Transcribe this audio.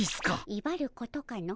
いばることかの。